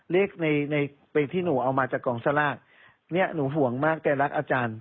เลขในในที่หนูเอามาจากกองสลากเนี่ยหนูห่วงมากแกรักอาจารย์